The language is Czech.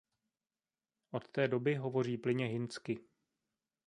Od té doby hovoří plynně hindsky.